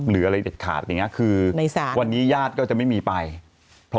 หรืออะไรเด็ดขาดอย่างนี้คือ